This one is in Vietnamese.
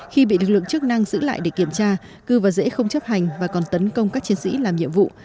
khi bị lực lượng chức năng giữ lại để kiểm tra cư và dễ không chấp hành và còn tấn công các chiến sĩ làm nhiệm vụ